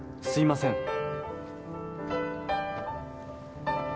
すいません。